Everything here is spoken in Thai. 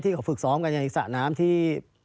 ที่เกาะฝึกซ้อมการยนติศาน้ำที่